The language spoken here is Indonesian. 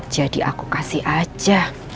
jadi aku kasih aja